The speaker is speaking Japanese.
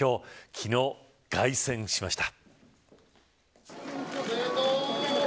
昨日、凱旋しました。